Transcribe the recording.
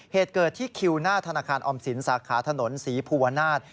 เสร็จเกิดที่คิวณธนาคารออมสินศ์สาขาถนนสีพลัวนาช